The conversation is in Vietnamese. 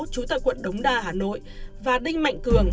chủ tịch quận đống đa hà nội và đinh mạnh cường